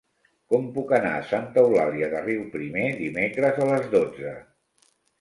Com puc anar a Santa Eulàlia de Riuprimer dimecres a les dotze?